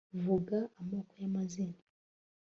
vuga amoko y'amazina